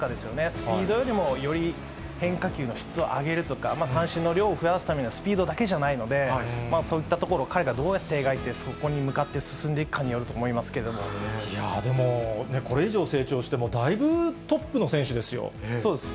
スピードよりも、より変化球の質を上げるとか、三振の量を増やすためには、スピードだけじゃないので、そういったところを彼がどうやって描いて、そこに向かって進んでいやー、でも、これ以上、成長しても、そうです。